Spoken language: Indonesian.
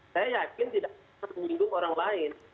saya yakin tidak menyinggung orang lain